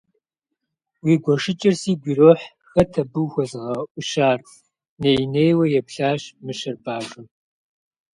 Уи гуэшыкӏэр сигу ирохь, хэт абы ухуэзыгъэӏущар? - ней-нейуэ еплъащ мыщэр бажэм.